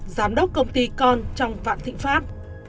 giám đốc công ty con trong vạn thịnh pháp